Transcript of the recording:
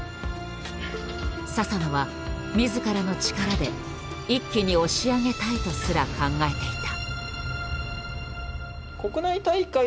佐々野は自らの力で一気に押し上げたいとすら考えていた。